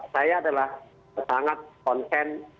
saya adalah sangat konsen